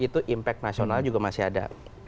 itu impact nasional juga masih ada